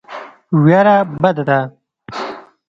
وېره بده ده.